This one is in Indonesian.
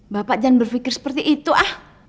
bapak jangan berpikir seperti itu ah